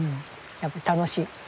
やっぱ楽しい。